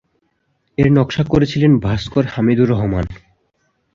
এর নকশা করেছিলেন ভাস্কর হামিদুর রহমান।